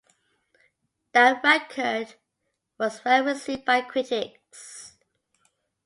The record was well received by critics.